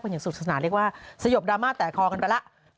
อย่างสุขสนานเรียกว่าสยบดราม่าแตกคอกันไปแล้ว